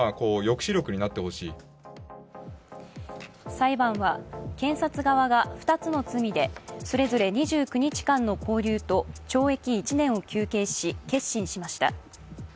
裁判は検察側が２つの罪でそれぞれ２９日間の拘留と懲役１年を求刑し、結審しました。